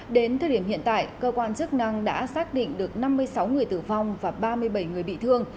đến thời điểm hiện tại cơ quan chức năng đã xác định được năm mươi sáu người tử vong và ba mươi bảy người bị thương